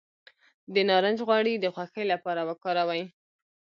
د نارنج غوړي د خوښۍ لپاره وکاروئ